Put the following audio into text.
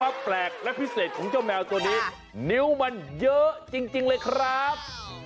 แปลกและพิเศษของเจ้าแมวตัวนี้นิ้วมันเยอะจริงเลยครับ